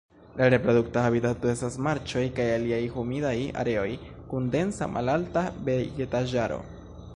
La reprodukta habitato estas marĉoj kaj aliaj humidaj areoj kun densa malalta vegetaĵaro.